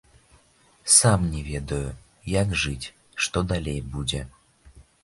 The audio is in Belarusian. Сам не ведаю, як жыць, што далей будзе.